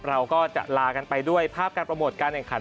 เราก็จะลากันไปด้วยภาพการประโหมดการเหนื่องขัน